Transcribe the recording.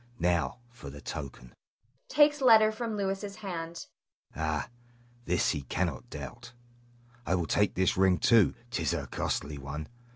Now, for the token [takes letter from Louis's hand]. Ah, this he cannot doubt. I will take this ring too; 'tis a costly one.